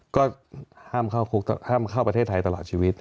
ก็ห้ามเข้าประเทศไทยตลอดชีวิต